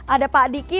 ada pak diki